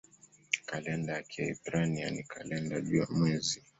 Kalenda ya Kiebrania ni kalenda jua-mwezi.